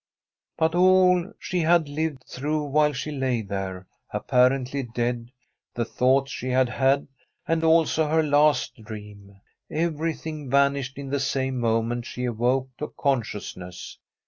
But all she had lived through while she lay there, apparently dead, the thoughts she had had, and also her last dream — everything vanished in the same moment she awoke to conscious ness.